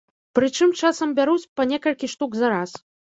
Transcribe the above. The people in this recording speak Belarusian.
Прычым часам бяруць па некалькі штук за раз.